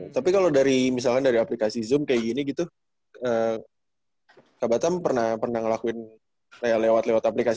tapi kalau dari misalnya dari aplikasi zoom kayak gini gitu kak batam pernah ngelakuin kayak lewat lewat aplikasi